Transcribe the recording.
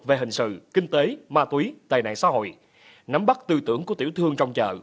về hình sự kinh tế ma túy tài nạn xã hội nắm bắt tư tưởng của tiểu thương trong chợ